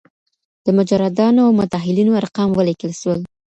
د مجردانو او متاهلينو ارقام وليکل سول.